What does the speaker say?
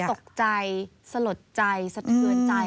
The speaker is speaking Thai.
ตกใจสลดใจสะเทือนใจ